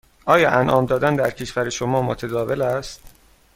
آیا انعام دادن در کشور شما متداول است؟